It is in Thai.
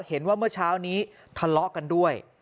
เห็นว่าเมื่อเช้านี้ทะเลาะกันด้วย